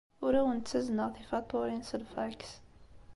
Ur awen-ttazneɣ tifatuṛin s lfaks.